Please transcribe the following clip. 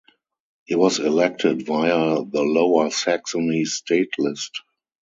He was elected via the Lower Saxony state list.